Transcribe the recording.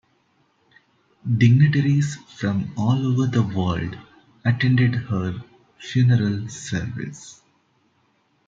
Dignitaries from all over the world attended her funeral service.